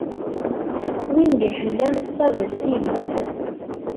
Win d-iḥellan ṣṣaba s tidi-s.